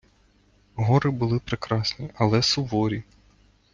Гори були прекрасні, але суворі.